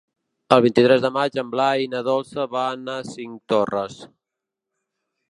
El vint-i-tres de maig en Blai i na Dolça van a Cinctorres.